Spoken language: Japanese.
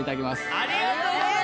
ありがとうございます！